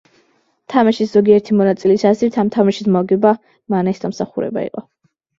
თამაშის ზოგიერთი მონაწილის აზრით, ამ თამაშის მოგება მანეს დამსახურება იყო.